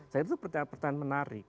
saya kira itu pertanyaan pertanyaan menarik